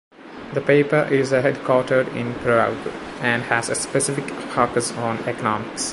The paper is headquartered in Prague and has a specific focus on economics.